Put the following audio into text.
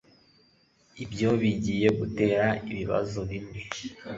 Ibyo bigiye gutera ibibazo bimwe